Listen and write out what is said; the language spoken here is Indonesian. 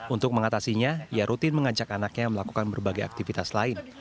untuk mengatasinya ia rutin mengajak anaknya melakukan berbagai aktivitas lain